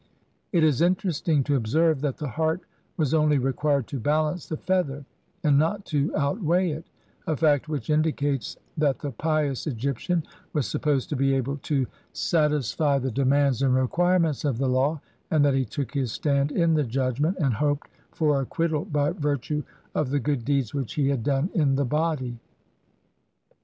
It is interesting to observe that the heart was only required to balance the fea ther and not to outweigh it, a fact which indicates that the pious Egyptian w 7 as supposed to be able to satisfy the demands and requirements of the law, and that he took his stand in the Judgment and hoped for acquittal by virtue of the good deeds which he had done in the body.